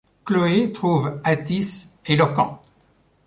Chloé trouve Atys éloquent.